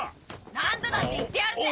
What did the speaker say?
何度だって言ってやるぜ！